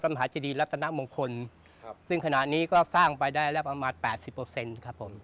รัมหาจริรัตนมงคลซึ่งขณะนี้ก็สร้างไปได้แล้วประมาณ๘๐เปอร์เซ็นต์ครับผม